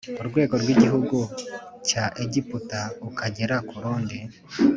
urwego rw igihugu cya Egiputa ukagera ku rundi